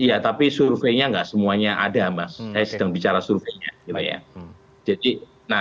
iya tapi surveinya nggak semuanya ada mas saya sedang bicara surveinya